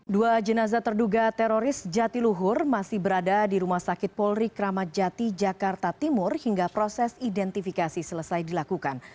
dua jenazah terduga teroris jatiluhur masih berada di rumah sakit polri kramat jati jakarta timur hingga proses identifikasi selesai dilakukan